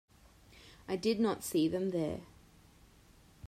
I did not see them there.